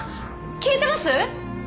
聞いてます！？